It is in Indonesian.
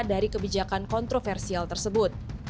dari kebijakan kontroversial tersebut